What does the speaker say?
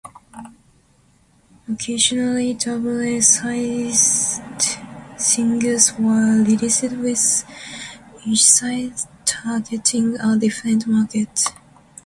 Occasionally double-A-sided singles were released with each side targeting a different market.